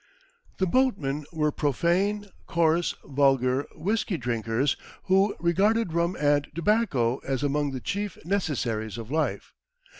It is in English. The boatmen were profane, coarse, vulgar whisky drinkers, "who regarded rum and tobacco as among the chief necessaries of life."